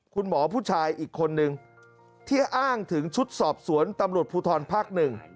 คุณหมอผู้ชายอีกคนนึงที่อ้างถึงชุดสอบสวนตำรวจภูทรภาคหนึ่ง